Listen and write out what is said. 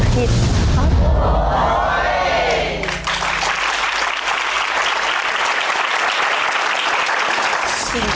ผิดครับ